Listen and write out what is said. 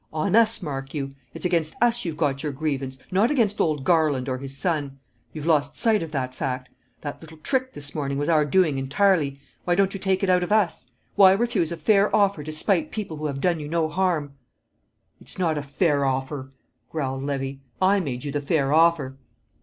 On us, mark you! It's against us you've got your grievance, not against old Garland or his son. You've lost sight of that fact. That little trick this morning was our doing entirely. Why don't you take it out of us? Why refuse a fair offer to spite people who have done you no harm?" "It's not a fair offer," growled Levy. "I made you the fair offer."